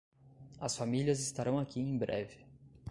As famílias estarão aqui em breve.